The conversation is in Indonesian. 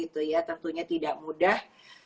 tentunya tidak mudah